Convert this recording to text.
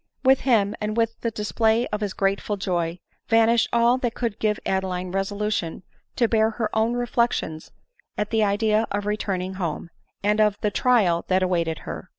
With him, and with the display of his grateful joy, van ished all that could give Adeline resolution to bear her own reflections at the idea of returning home, and of the trial that awaited her.